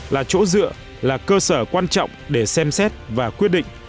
là chỗ dựa là cơ sở quan trọng để xem xét và quyết định